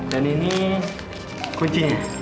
dan ini kuncinya